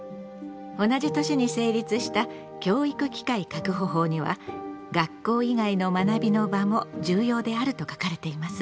同じ年に成立した教育機会確保法には「学校以外の学びの場も重要である」と書かれています。